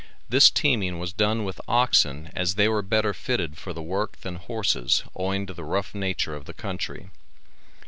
This teaming was done with oxen as they were better fitted for the work than horses, owing to the rough nature of the country.